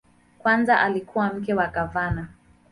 Kwanza alikuwa mke wa gavana.